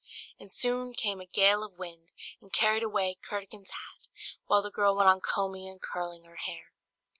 "] And soon came a gale of wind, and carried away Curdken's hat, while the girl went on combing and curling her hair.